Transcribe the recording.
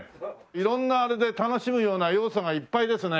色んなあれで楽しむような要素がいっぱいですね。